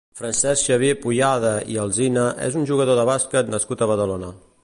Francesc Xavier Puyada i Alsina és un jugador de bàsquet nascut a Badalona.